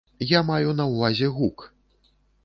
Я маю на ўвазе гук.